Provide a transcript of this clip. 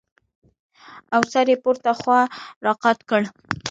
او سر يې پورته خوا راقات کړ.